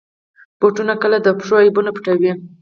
بوټونه کله د پښو عیبونه پټوي.